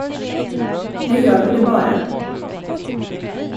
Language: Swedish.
Nu gör vi det bara.